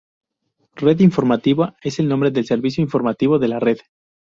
Red Informativa es el nombre del servicio informativo de La Red.